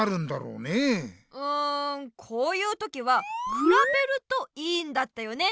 うんこういう時はくらべるといいんだったよね。